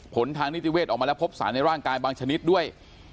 ผลทางนิติเวศออกมาแล้วพบสารในร่างกายบางชนิดด้วย